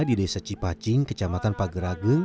di desa cipacing kecamatan pagerage